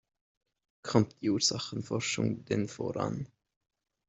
Kommt die Ursachenforschung denn voran?